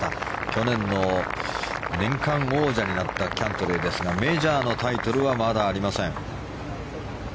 去年の年間王者になったキャントレーですがメジャーのタイトルはまだありません。